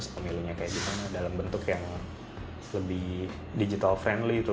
pemilunya kayak gimana dalam bentuk yang lebih digital friendly gitu